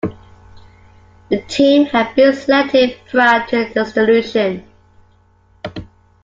The team had been selected prior to the dissolution.